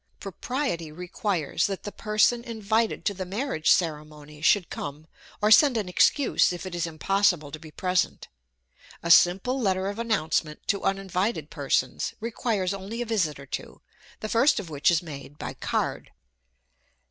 Propriety requires that the person invited to the marriage ceremony should come, or send an excuse if it is impossible to be present. A simple letter of announcement to uninvited persons, requires only a visit or two; the first of which is made by card.